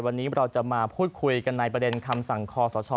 วันนี้เราจะมาพูดคุยกันในประเด็นคำสั่งคอสช